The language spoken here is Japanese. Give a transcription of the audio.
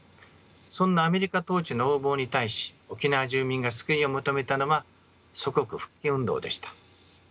そんなアメリカ統治の横暴に対し沖縄住民が救いを求めたのは祖国復帰運動でした。